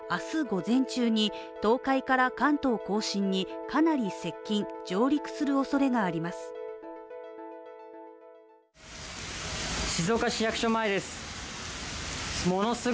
午前中に東海から関東甲信にかなり接近上陸するおそれがあります。